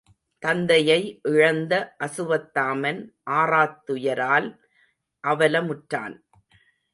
தந்தையை இழந்த அசுவத்தாமன் ஆறாத்துயரால் அவலமுற்றான்.